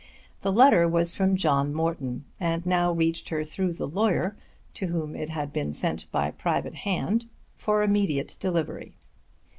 The letter was from John Morton and now reached her through the lawyer to whom it had been sent by private hand for immediate delivery.